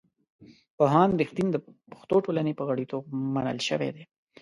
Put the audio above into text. پوهاند رښتین د پښتو ټولنې په غړیتوب منل شوی دی.